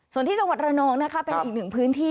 ส่วนที่จังหวัดระนองนะคะเป็นอีกหนึ่งพื้นที่